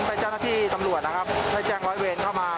ให้เจ้าหน้าที่ตำรวจนะครับให้แจ้งร้อยเวรเข้ามา